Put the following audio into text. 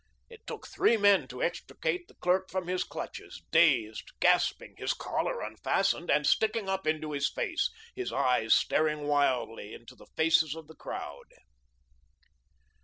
It took three men to extricate the clerk from his clutches, dazed, gasping, his collar unfastened and sticking up into his face, his eyes staring wildly into the faces of the crowd.